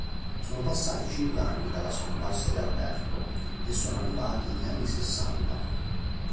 Sono passati cinque anni dalla scomparsa di Alberto, e sono arrivati gli anni Sessanta.